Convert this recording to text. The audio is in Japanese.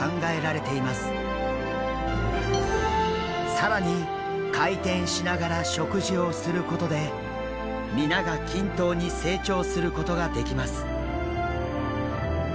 更に回転しながら食事をすることで皆が均等に成長することができます。